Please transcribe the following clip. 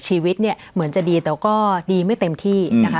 ชีวิตเนี่ยเหมือนจะดีแต่ก็ดีไม่เต็มที่นะคะ